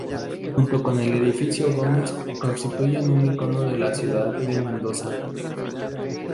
Junto con el Edificio Gómez constituyen un icono de la Ciudad de Mendoza.